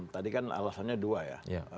tadi kan alasannya dua ya